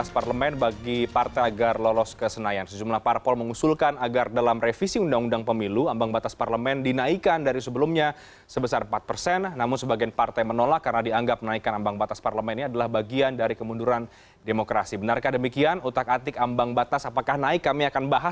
pertama pertama pertama